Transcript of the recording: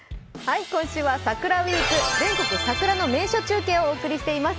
今週は桜ウィーク全国桜の名所中継をお送りしています。